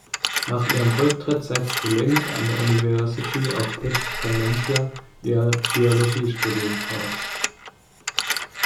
Nach ihrem Rücktritt setzte Lindh an der University of British Columbia ihr Biologie-Studium fort.